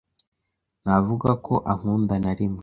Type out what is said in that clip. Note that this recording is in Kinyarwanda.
ntavuga ko ankunda na rimwe